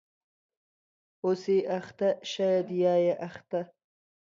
.اوسې اخته شاید یا یې اخته